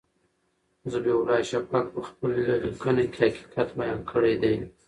ذبیح الله شفق په خپله لیکنه کې حقیقت بیان کړی دی.